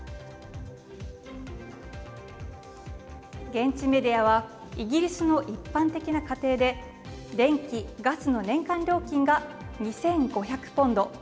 現地メディアはイギリスの一般的な家庭で電気・ガスの年間料金が２５００ポンド。